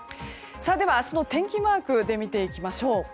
明日の天気マークで見ていきましょう。